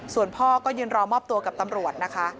ส่วนพ่อก็ยืนรอมอบตัวกับตำรวจนะคะ